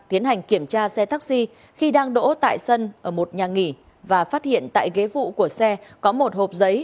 tiến hành kiểm tra xe taxi khi đang đỗ tại sân ở một nhà nghỉ và phát hiện tại ghế vụ của xe có một hộp giấy